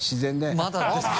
まだですか？